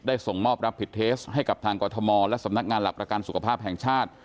ส่งมอบรับผิดเทสให้กับทางกรทมและสำนักงานหลักประกันสุขภาพแห่งชาติ